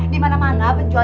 bisa berubah juga